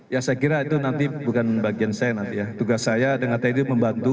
ya saya kira itu nanti bukan bagian saya nanti ya tugas saya dengan tadi membantu